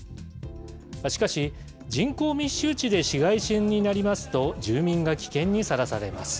しかし、人口密集地で市街戦になりますと、住民が危険にさらされます。